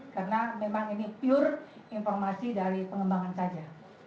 karena memang ini pure informasi dari pengembangan saja